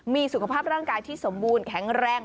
มีสุขภาพร่างกายที่สมบูรณ์แข็งแรง